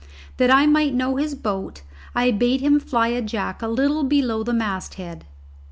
That I might know his boat, I bade him fly a jack a little below the masthead.